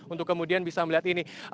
untuk kemudian bisa melihat ini